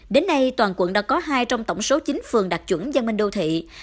đến nay toàn quận đã có hai trong tổng số chín phường đạt chuẩn gian minh đô thị